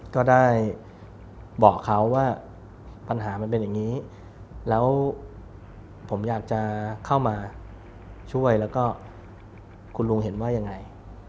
ก็ได้บอกเขาว่าปัญหามันเป็นอย่างนี้แล้วผมอยากจะเข้ามาช่วยแล้วก็คุณลุงเห็นว่ายังไง